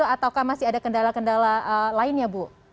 ataukah masih ada kendala kendala lainnya bu